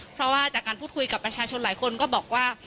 เพราะว่าจากการพูดคุยกับประชาชนหลายคนก็บอกว่า